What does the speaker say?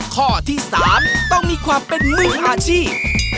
ข้อที่๓ต้องมีความเป็นมืออาชีพ